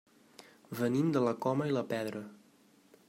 Venim de la Coma i la Pedra.